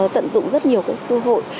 tận dụng rất nhiều cái cơ hội